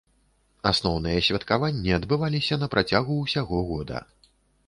Асноўныя святкаванні адбываліся на працягу ўсяго года.